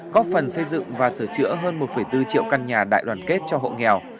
góp phần xây dựng và sửa chữa hơn một bốn triệu căn nhà đại đoàn kết cho hộ nghèo